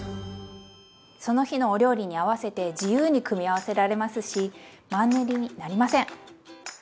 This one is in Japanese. その日のお料理に合わせて自由に組み合わせられますしマンネリになりません！